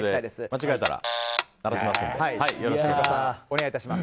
間違えたら鳴らしますのでよろしくお願いします。